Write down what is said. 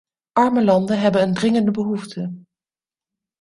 Arme landen hebben een dringende behoefte.